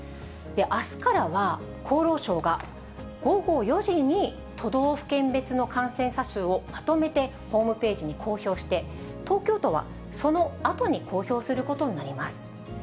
あすからは、厚労省が午後４時に、都道府県別の感染者数をまとめてホームページに公表して、東京都はそのあとに公表することになります。